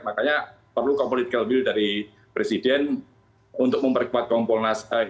makanya perlu compolitical will dari presiden untuk memperkuat kompolnas